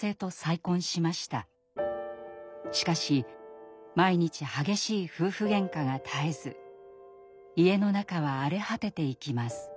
しかし毎日激しい夫婦げんかが絶えず家の中は荒れ果てていきます。